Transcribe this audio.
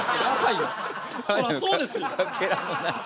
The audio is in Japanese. そらそうですよ。